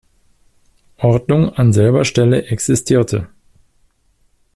Ordnung an selber Stelle existierte.